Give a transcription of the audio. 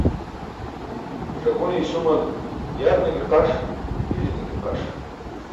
Ẓakune isumal yarne ke qaṣ, iljine ke qaṣ.